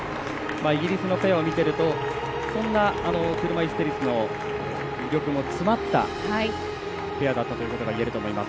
イギリスのペアを見ているとそんな車いすテニスの魅力も詰まったペアだったということがいえると思います。